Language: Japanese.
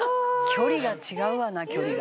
「距離が違うわな距離が」